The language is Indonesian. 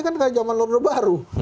ini kan zaman lorde baru